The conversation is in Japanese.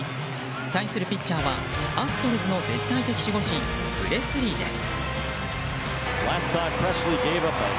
対するピッチャーはアストロズの絶対的守護神プレスリーです。